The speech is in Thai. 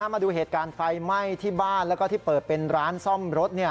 มาดูเหตุการณ์ไฟไหม้ที่บ้านแล้วก็ที่เปิดเป็นร้านซ่อมรถ